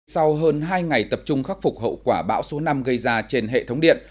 sau hơn hai ngày tập trung khắc phục hậu quả bão số năm gây ra trên hệ thống điện